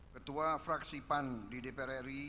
ketua fraksi pan di dpr ri